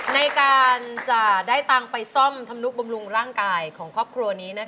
ในการจะได้ตังค์ไปซ่อมทำนุบำรุงร่างกายของครอบครัวนี้